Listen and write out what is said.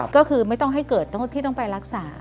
ก็คือไม่ต้องให้เกิดที่ต้องไปรักษา